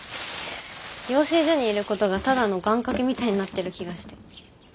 養成所にいることがただの願かけみたいになってる気がして。